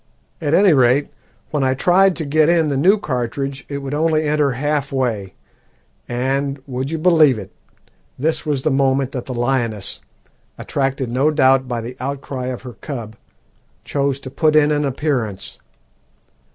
At any rate, when I tried to, get in the new cartridge it would only enter half way; and would you believe it? this was the moment that the lioness, attracted no doubt by the outcry of her cub, chose to put in an appearance.